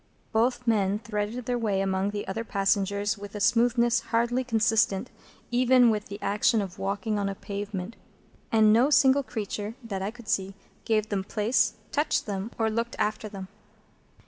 Both men threaded their way among the other passengers with a smoothness hardly consistent even with the action of walking on a pavement; and no single creature, that I could see, gave them place, touched them, or looked after them.